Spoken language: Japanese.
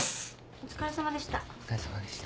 お疲れさまでした。